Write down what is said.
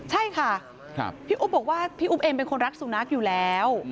ใช่ค่ะพี่อุ๊บบอกว่าพี่อุ๊บเองเป็นคนรักสุนัขอยู่แล้ว